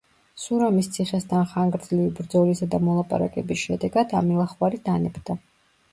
სურამის ციხესთან ხანგრძლივი ბრძოლისა და მოლაპარაკების შედეგად ამილახვარი დანებდა.